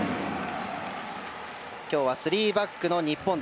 今日は３バックの日本。